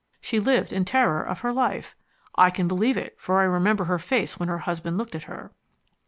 She lived in terror of her life. I can believe it, for I remember her face when her husband looked at her.